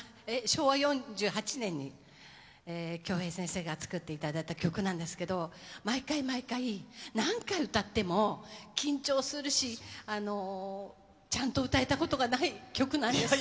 昭和４８年に、きょうへい先生が作っていただいた曲なんですけど、毎回毎回、何回歌っても緊張するし、ちゃんと歌えたことがない曲なんです。